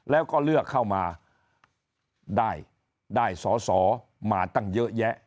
แล้วก็เลือกเข้ามาได้สอสอมาตั้งเยอะแยะ